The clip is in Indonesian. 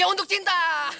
g untuk cinta